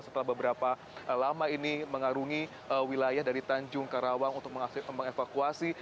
setelah beberapa lama ini mengarungi wilayah dari tanjung karawang untuk mengevakuasi